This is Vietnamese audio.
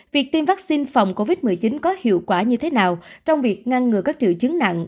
việc tiêm vaccine phòng covid một mươi chín có hiệu quả như thế nào trong việc ngăn ngừa các triệu chứng nặng